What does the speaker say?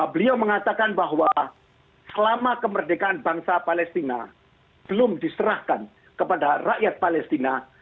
beliau mengatakan bahwa selama kemerdekaan bangsa palestina belum diserahkan kepada rakyat palestina